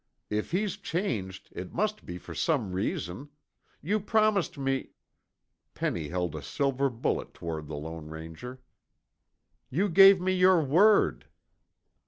If he's changed it must be for some reason. You promised me " Penny held a silver bullet toward the Lone Ranger. "You gave me your word!"